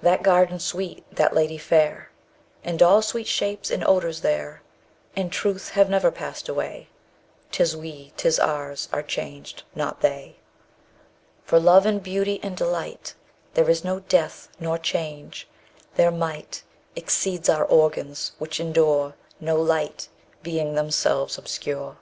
That garden sweet, that lady fair, _130 And all sweet shapes and odours there, In truth have never passed away: 'Tis we, 'tis ours, are changed; not they. For love, and beauty, and delight, There is no death nor change: their might _135 Exceeds our organs, which endure No light, being themselves obscure.